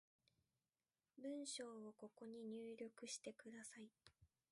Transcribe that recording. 文章をここに入力してください